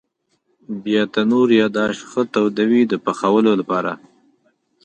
بیا تنور یا داش ښه تودوي د پخولو لپاره.